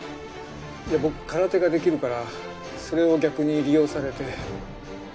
僕空手ができるからそれを逆に利用されて。